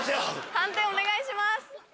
判定お願いします。